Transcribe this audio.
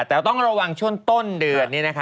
แต่ต้องระวังช่วงต้นเดือนนี้นะคะ